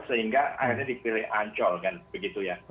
sehingga akhirnya dipilih ancol kan begitu ya